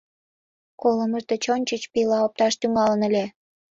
Колымыж деч ончыч пийла опташ тӱҥалын ыле.